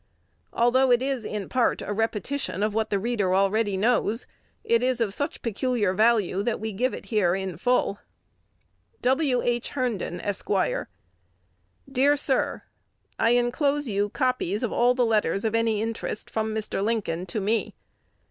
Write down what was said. Although it is in part a repetition of what the reader already knows, it is of such peculiar value, that we give it in full: W. H. Herndon, Esq. Dear Sir, I enclose you copies of all the letters of any interest from Mr. Lincoln to me.